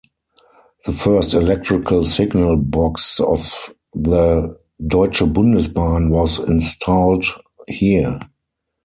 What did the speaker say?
The first electrical signal box of the Deutsche Bundesbahn was installed here.